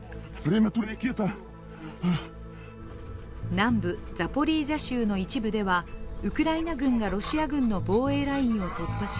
南部ザポリージャ州の一部でウクライナ軍がロシア軍の防衛ラインを突破し